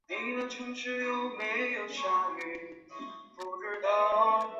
坦伯顿爵士希望以此来提升英国管理学的水平。